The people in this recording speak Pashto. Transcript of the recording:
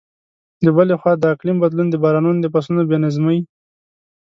له بلې خوا، د اقلیم بدلون د بارانونو د فصلونو بې نظمۍ.